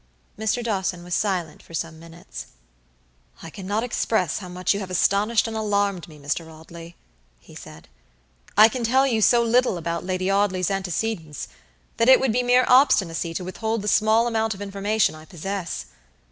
Mr. Dawson was silent for some minutes. "I cannot express how much you have astonished and alarmed me, Mr. Audley." he said. "I can tell you so little about Lady Audley's antecedents, that it would be mere obstinacy to withhold the small amount of information I possess.